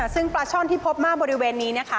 ซึ่งปลาช่อนที่พบมากบริเวณนี้นะคะ